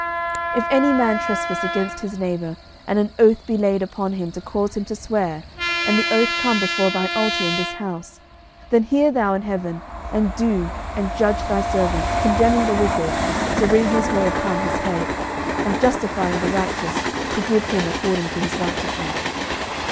11:008:031 If any man trespass against his neighbour, and an oath be laid upon him to cause him to swear, and the oath come before thine altar in this house: 11:008:032 Then hear thou in heaven, and do, and judge thy servants, condemning the wicked, to bring his way upon his head; and justifying the righteous, to give him according to his righteousness.